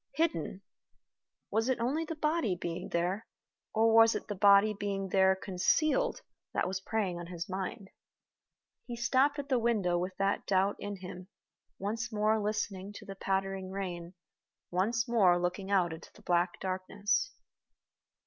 Hidden! Was it only the body being there, or was it the body being there concealed, that was preying on his mind? He stopped at the window with that doubt in him, once more listening to the pattering rain, once more looking out into the black darkness.